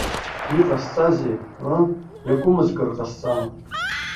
Иҟасҵазеи, ыы, иакәымыз акыр ҟасҵама?